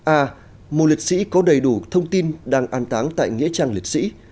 a một liệt sĩ có đầy đủ thông tin đang an táng tại nghĩa trang liệt sĩ